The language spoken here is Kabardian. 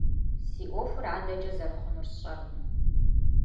Си Ӏуэхур адэкӀэ зэрыхъунур сщӀэркъым.